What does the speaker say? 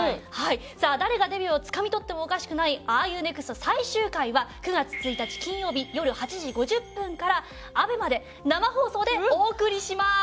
さあ誰がデビューをつかみ取ってもおかしくない『ＲＵＮｅｘｔ？』最終回は９月１日金曜日よる８時５０分からＡＢＥＭＡで生放送でお送りします。